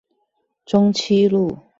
中棲路